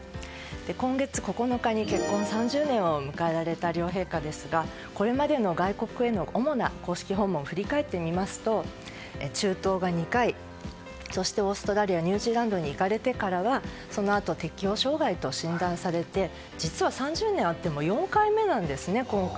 今月９日に結婚３０年を迎えられた両陛下ですがこれまでの外国への主な公式訪問を振り返ってみますと、中東が２回そしてオーストラリアニュージーランドに行かれてからはそのあと、適応障害と診断されて実は３０年あっても４回目なんですね、今回。